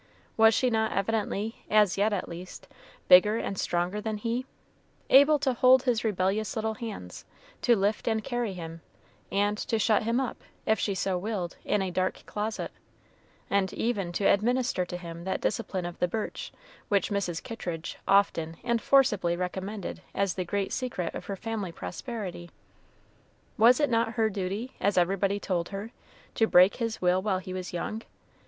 Was she not evidently, as yet at least, bigger and stronger than he, able to hold his rebellious little hands, to lift and carry him, and to shut him up, if so she willed, in a dark closet, and even to administer to him that discipline of the birch which Mrs. Kittridge often and forcibly recommended as the great secret of her family prosperity? Was it not her duty, as everybody told her, to break his will while he was young?